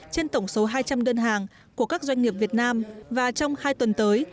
trên tổng số hai trăm linh đơn hàng của các doanh nghiệp việt nam và trong hai tuần tới